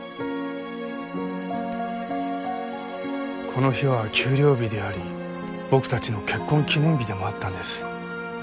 この日は給料日であり僕たちの結婚記念日でもあったんです。